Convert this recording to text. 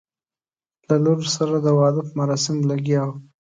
له لور سره د واده په مراسمو لګیا وو.